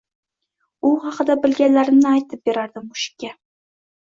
U haqida bilganlarimni aytib berardim mushukka.